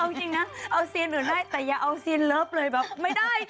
เอาจริงน่ะเอาเซียนดูได้แต่อย่าเอาเซียนลับเลยแบบไม่ได้